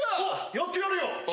やってやるよ！